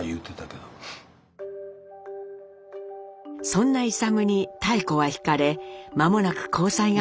そんな勇に妙子は惹かれ間もなく交際が始まります。